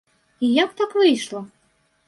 І як так выйшла?